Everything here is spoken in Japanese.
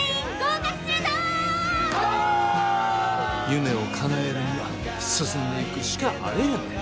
夢をかなえるには進んでいくしかあれへんねん。